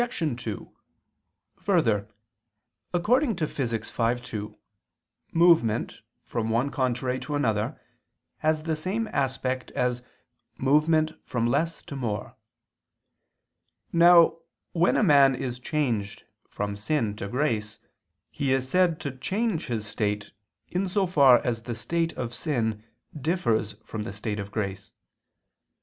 2: Further, according to Phys. v, 2, movement "from one contrary to another" has the same aspect as "movement from less to more." Now when a man is changed from sin to grace, he is said to change his state, in so far as the state of sin differs from the state of grace.